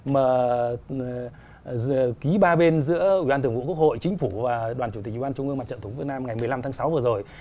mà ký ba bên giữa ủy ban thượng vụ quốc hội chính phủ và đoàn chủ tịch ủy ban trung ương mặt trận thủ phương nam ngày một mươi năm tháng sáu vừa rồi